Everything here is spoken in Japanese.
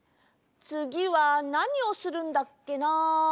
つぎはなにをするんだっけな？